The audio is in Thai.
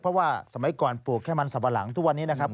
เพราะว่าสมัยก่อนปลูกแค่มันสับปะหลังทุกวันนี้นะครับ